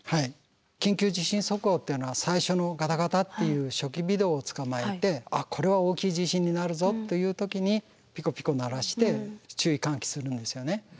緊急地震速報っていうのは最初のガタガタっていう初期微動をつかまえてあっこれは大きい地震になるぞという時にピコピコ鳴らして注意喚起するんですよね。